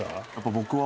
僕は。